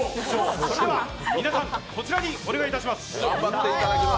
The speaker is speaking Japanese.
皆さん、こちらにお願いいたします！